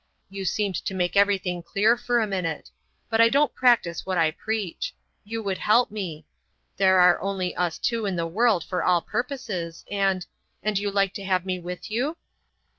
You seemed to make everything clear for a minute; but I don't practice what I preach. You would help me.... There are only us two in the world for all purposes, and—and you like to have me with you?"